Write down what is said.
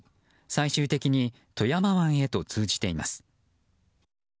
最終的に富山湾へと通じています。